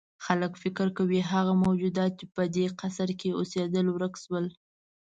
خلک فکر کوي هغه موجودات چې په دې قصر کې اوسېدل ورک شول.